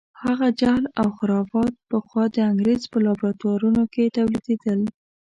هغه جهل او خرافات پخوا د انګریز په لابراتوارونو کې تولیدېدل.